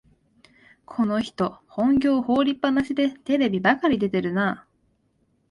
この人、本業を放りっぱなしでテレビばかり出てるな